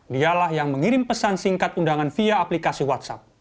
dialah yang mengirim pesan singkat undangan via aplikasi whatsapp